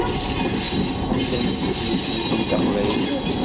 Tḥemmlemt idles-nkent aqbayli.